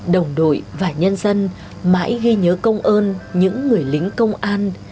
đồng đội và nhân dân mãi ghi nhớ công ơn những người lính công an